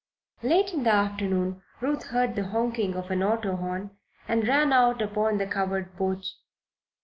Late in the afternoon Ruth heard the honking of an auto horn and ran out upon the covered porch.